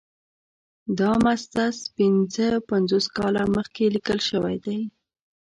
دا مسدس پنځه پنځوس کاله مخکې لیکل شوی دی.